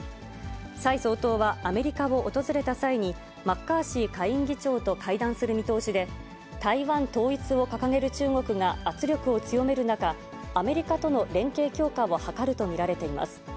蔡総統は、アメリカを訪れた際に、マッカーシー下院議長と会談する見通しで、台湾統一を掲げる中国が圧力を強める中、アメリカとの連携強化を図ると見られています。